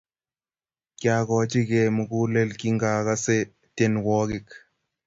kyakochige mugulel kingagase tyenwogik